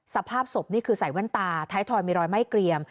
สภาพศพนี่คือใส่แว่นตาท้ายทอยมีรอยไหม้เกลี่ยม